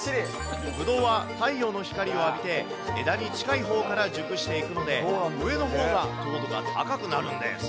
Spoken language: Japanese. ぶどうは太陽の光を浴びて、枝に近いほうから熟していくので、上のほうが糖度が高くなるんです。